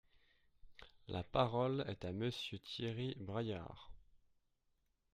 La parole est à Monsieur Thierry Braillard.